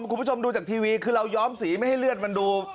คุณผู้ชมดูจากทีวีคือเราย้อมสีไม่ให้เลือดมันดู